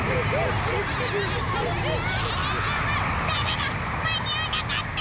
ダメだ間に合わなかった。